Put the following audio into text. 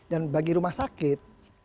dan bagi rumah sakit